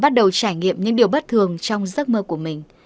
bắt đầu trải nghiệm những điều bất thường trong giấc mơ của mình